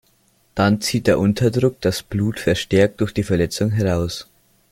Dann zieht der Unterdruck das Blut verstärkt durch die Verletzungen heraus.